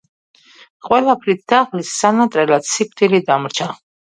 ყველაფრით დაღლილს სანატრელად სიკვდილი დამრჩა